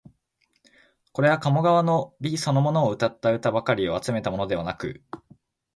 これは鴨川の美そのものをうたった歌ばかりを集めたものではなく、